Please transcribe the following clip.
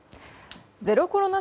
ゼロコロナ